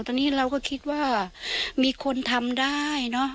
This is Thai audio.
ตอนนี้เราก็คิดว่ามีคนทำได้เนอะ